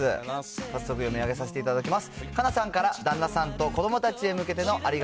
早速読み上げさせていただきます。